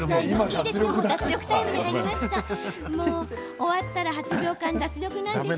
終わったら８秒間、脱力です。